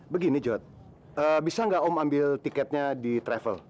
begini jod bisa nggak om ambil tiketnya di travel